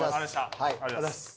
ありがとうございます。